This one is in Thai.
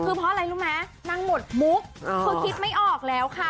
คือเพราะอะไรรู้ไหมนางหมดมุกคือคิดไม่ออกแล้วค่ะ